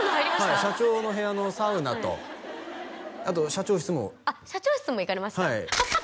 はい社長の部屋のサウナとあと社長室も社長室も行かれました？